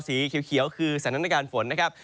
สีเขียวคือสัญลักษณะการฝนนะครับ